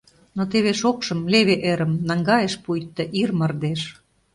Но теве шокшым, леве эрым Наҥгайыш пуйто ир мардеж.